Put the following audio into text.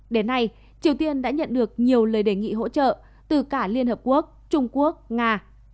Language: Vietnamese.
đến nay triều tiên đã nhận được nhiều lời đề nghị hỗ trợ từ cả liên hợp quốc trung quốc nga